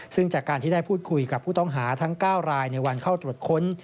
ซึ่งจากการที่ได้พูดคุยกับผู้ต้องหาทั้ง๙รายในวันเข้าตรวจค้น